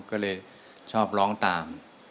ก็เลยชอบร้องตาม